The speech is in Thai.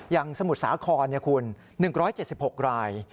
อย่างสมุดสาขอเนี่ยคุณ๑๗๖ราย